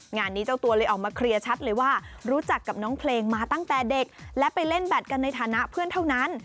งานนี้เจ้าตัวเลยออกมาเคลียร์ชัดเลยว่ารู้จักกับน้องเพลงมาตั้งแต่เด็กและไปเล่นแบตกันในฐานะเพื่อนเท่านั้น